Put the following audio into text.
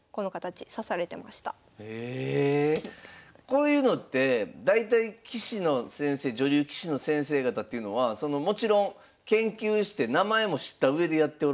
こういうのって大体棋士の先生女流棋士の先生方っていうのはもちろん研究して名前も知ったうえでやっておられるんですか？